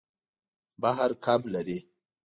بحر کب لري.